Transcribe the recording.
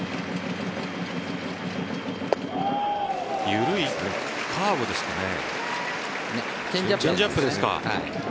緩いカーブですかね。